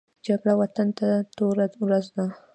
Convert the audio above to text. جګړه وطن ته توره ورځ ده